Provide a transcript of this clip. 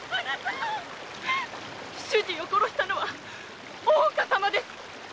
主人を殺したのは大岡様です。